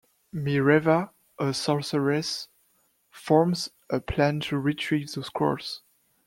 Mireva, a sorceress, forms a plan to retrieve the scrolls.